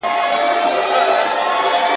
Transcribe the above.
د غریب غاښ په حلوا کي خېژي !.